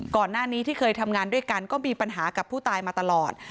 ก่อนหน้านี้ที่เคยทำงานด้วยกันก็มีปัญหากับผู้ตายมาตลอด